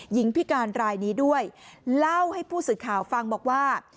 หญิงพิการรายนี้ด้วยเล่าให้ผู้สื่อข่าวฟังบอกว่า